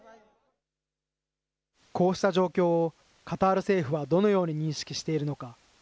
こうした状況を、カタール政府はどのように認識しているのか。